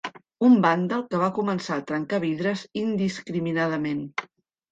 Un vàndal que va començar a trencar vidres indiscriminadament.